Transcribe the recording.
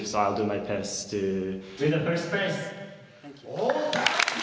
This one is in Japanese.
お！